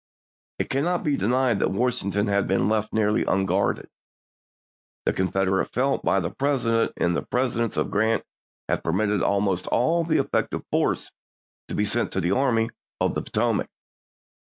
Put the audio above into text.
It cannot be denied that Washington had been left nearly unguarded. The confidence felt by the President in the pru dence of Grant had permitted almost all the effective force to be sent to the Army of the Po tomac.